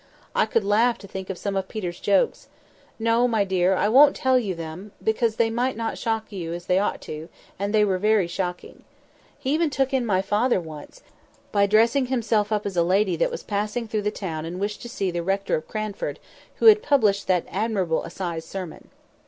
I could laugh to think of some of Peter's jokes. No, my dear, I won't tell you of them, because they might not shock you as they ought to do, and they were very shocking. He even took in my father once, by dressing himself up as a lady that was passing through the town and wished to see the Rector of Cranford, 'who had published that admirable Assize Sermon.